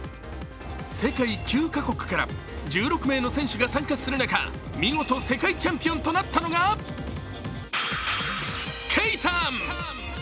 世界９か国から１６名の選手が参加する中、見事、世界チャンピオンとなったのがＫａｙさん。